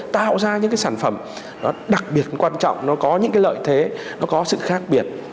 tạo ra những cái sản phẩm đặc biệt quan trọng nó có những cái lợi thế nó có sự khác biệt